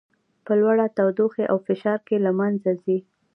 په لوړه تودوخې او فشار کې له منځه ځي.